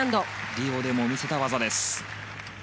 リオでも見せた技です。